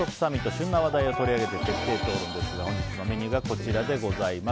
旬な話題を取り上げて徹底討論ですが本日のメニューがこちらです。